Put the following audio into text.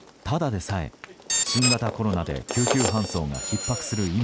ただでさえ、新型コロナで救急搬送がひっ迫する